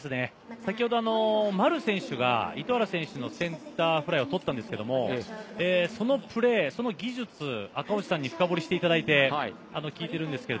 先ほど丸選手が糸原選手のセンターフライを捕ったんですけれど、そのプレー、技術、赤星さんに深堀りしていただいて、聞いています。